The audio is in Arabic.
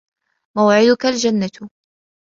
مَوْعِدُك الْجَنَّةُ